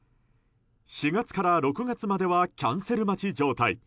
４月から６月まではキャンセル待ち状態。